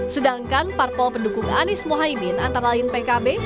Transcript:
sedangkan parpol pendukung anies mohaimin antara lain pkb